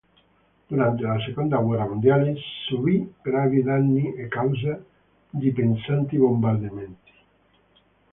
Durante la Seconda guerra mondiale subì gravi danni a causa di pesanti bombardamenti.